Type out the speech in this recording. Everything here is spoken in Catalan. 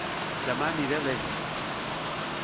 Dema aniré a Alella